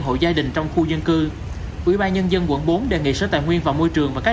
hộ gia đình trong khu dân cư ủy ban nhân dân quận bốn đề nghị sở tài nguyên và môi trường và các